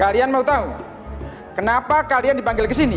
kalian mau tahu kenapa kalian dipanggil ke sini